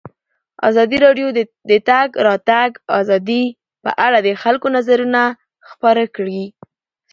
ازادي راډیو د د تګ راتګ ازادي په اړه د خلکو نظرونه خپاره کړي.